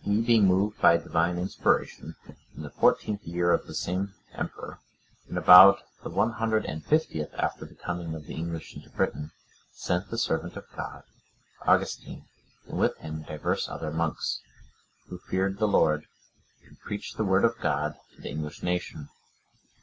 He, being moved by Divine inspiration, in the fourteenth year of the same emperor, and about the one hundred and fiftieth after the coming of the English into Britain, sent the servant of God, Augustine,(105) and with him divers other monks, who feared the Lord, to preach the Word of God to the English nation.